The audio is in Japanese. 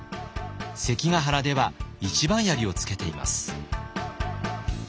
関ヶ原では一番槍をつけています。